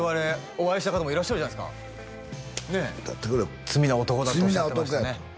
お会いした方もいらっしゃるじゃないですか言ってやってくれ罪な男だとおっしゃってましたね